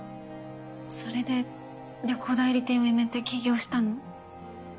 それで旅行代理店を辞めて起業したの？